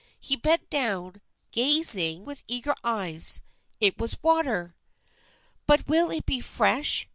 He bent down, gazing with eager eyes. It was water! "But will it be fresh?"